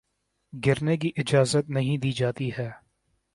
گرنے کی اجازت نہیں دی جاتی ہے